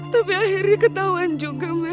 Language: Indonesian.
tapi akhirnya ketahuan juga mbak